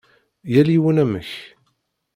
Yal yiwen amek.